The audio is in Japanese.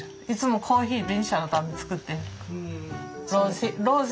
いつもコーヒーベニシアのために作ってる。